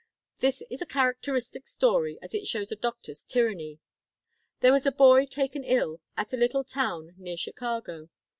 "This is a characteristic story, as it shows a doctor's tyranny. There was a boy taken ill at a little town near Chicago.